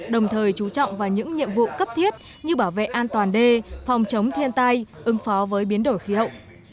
đồng thời chú trọng vào những nhiệm vụ cấp thiết như bảo vệ an toàn đê phòng chống thiên tai ứng phó với biến đổi khí hậu